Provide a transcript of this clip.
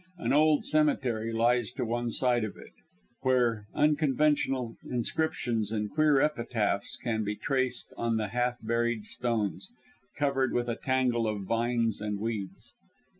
An old cemetery lies to one side of it; where unconventional inscriptions and queer epitaphs can be traced on the half buried stones, covered with a tangle of vines and weeds.